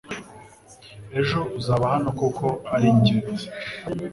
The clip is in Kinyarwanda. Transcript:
Ejo uzaba hano kuko ari ingenzi